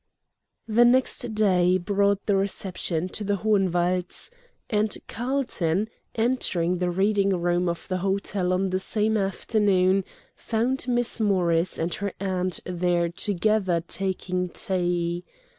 The next day brought the reception to the Hohenwalds; and Carlton, entering the reading room of the hotel on the same afternoon, found Miss Morris and her aunt there together taking tea.